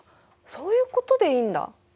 そういうことでいいんだ。